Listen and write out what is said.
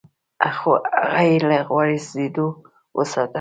خو هغه يې له غورځېدو وساته.